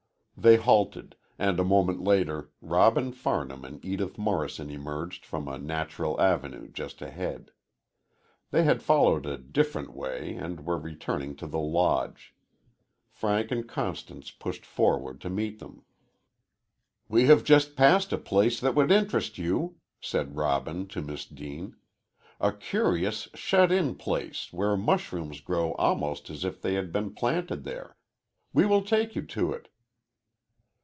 They halted, and a moment later Robin Farnham and Edith Morrison emerged from a natural avenue just ahead. They had followed a different way and were returning to the Lodge. Frank and Constance pushed forward to meet them. "We have just passed a place that would interest you," said Robin to Miss Deane. "A curious shut in place where mushrooms grow almost as if they had been planted there. We will take you to it."